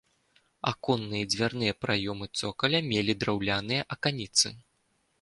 Аконныя і дзвярныя праёмы цокаля мелі драўляныя аканіцы.